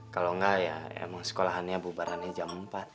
kalau enggak ya emang sekolahannya bubarannya jam empat